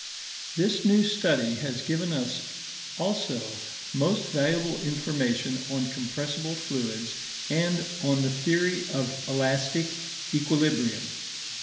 This new study has given us also most valuable information on compressible fluids and on the theory of elastic equilibrium.